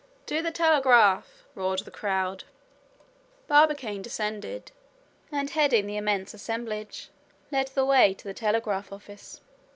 "To the telegraph!" roared the crowd. Barbicane descended; and heading the immense assemblage, led the way to the telegraph office.